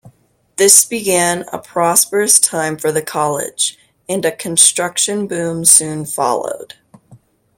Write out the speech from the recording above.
This began a prosperous time for the College, and a construction boom soon followed.